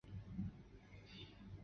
应天府乡试第四十一名。